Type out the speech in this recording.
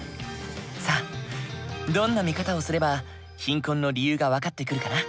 さあどんな見方をすれば貧困の理由が分かってくるかな？